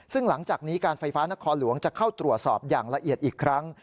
ซึ่งหลังจากนี้การไฟฟ้านครหลวงจะเข้าตรวจสอบอย่างละเอียดอีกครั้ง